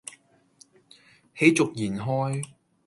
喜逐言開